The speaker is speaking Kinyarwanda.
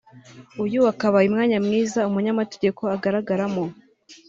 Uyu wakabaye umwanya mwiza umunyamategeko agaragaramo